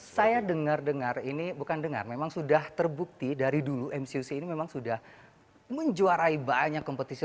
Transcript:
saya dengar dengar ini bukan dengar memang sudah terbukti dari dulu mcuc ini memang sudah menjuarai banyak kompetisi